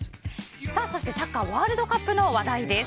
そしてサッカーワールドカップの話題です。